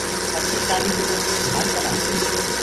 اسي سآلي ڪو ڏوڪرو جھاج چلآس